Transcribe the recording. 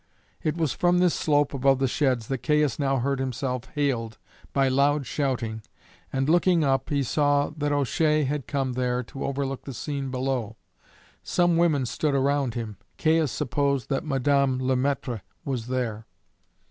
It was from this slope above the sheds that Caius now heard himself hailed by loud shouting, and, looking up, he saw that O'Shea had come there to overlook the scene below. Some women stood around him. Caius supposed that Madame Le Maître was there.